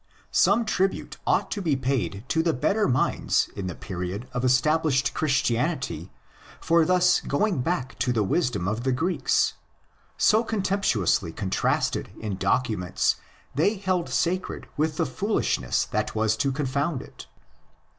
Some tribute ought to be paid to the better minds in the period of established Christianity for thus going back to the wisdom of the Greeks, so contemptuously contrasted in documents they held sacred with the "ὁ foolishness "' that was to confound it.